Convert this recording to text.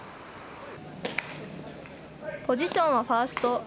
ポジションはファースト。